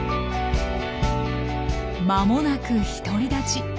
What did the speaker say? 間もなく独り立ち。